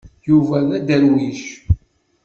Yuba d adderwic.